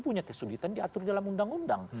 punya kesulitan diatur dalam undang undang